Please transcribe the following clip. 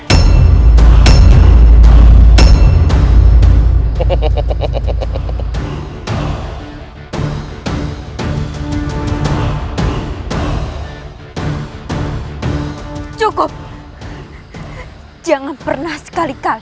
kedengaran itu berguna oleh accel prada dan dengan yang demonstrasi dibatasi oleh pittsburgh